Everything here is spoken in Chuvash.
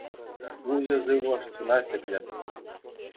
Уҫӑ сывлӑш чуна ҫӗклет.